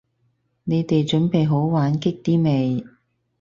你哋準備好玩激啲未？